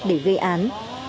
để gây án